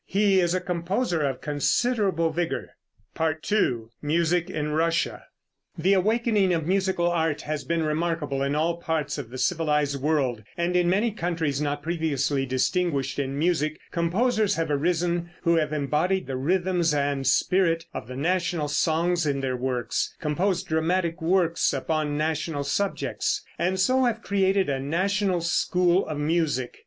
He is a composer of considerable vigor. II. MUSIC IN RUSSIA. The awakening of musical art has been remarkable in all parts of the civilized world, and in many countries not previously distinguished in music composers have arisen who have embodied the rhythms and spirit of the national songs in their works, composed dramatic works upon national subjects, and so have created a national school of music.